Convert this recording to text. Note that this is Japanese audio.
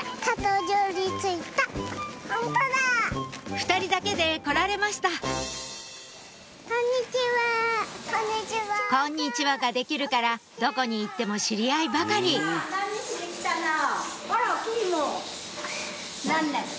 ２人だけで来られました「こんにちは」ができるからどこに行っても知り合いばかり何ね？